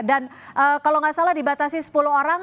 dan kalau tidak salah dibatasi sepuluh orang